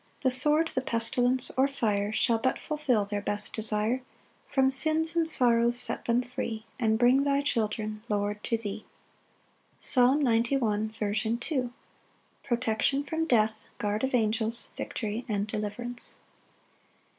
10 The sword, the pestilence or fire Shall but fulfil their best desire, From sins and sorrows set them free, And bring thy children, Lord, to thee. Psalm 91:2. 1 16. Second Part. Protection from death, guard of angels, victory and deliverance.